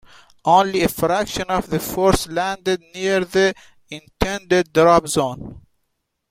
Only a fraction of the force landed near the intended drop zone.